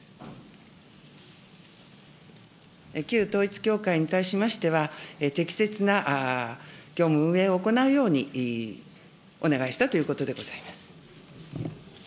旧統一教会に対しましては、適切な業務運営を行うようにお願いしたということでございます。